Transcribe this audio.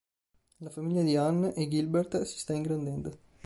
La famiglia di Anne e Gilbert si sta ingrandendo.